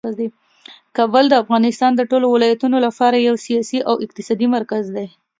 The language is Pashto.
کابل د افغانستان د ټولو ولایتونو لپاره یو سیاسي او اقتصادي مرکز دی.